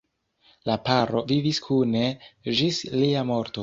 La paro vivis kune ĝis lia morto.